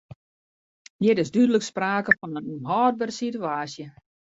Hjir is dúdlik sprake fan in ûnhâldbere situaasje.